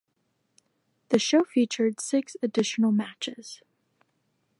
The show featured six additional matches.